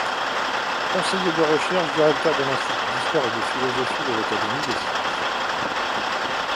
Conseiller de recherche, directeur de l'institut d'histoire et de philosophie de l'académie des sciences.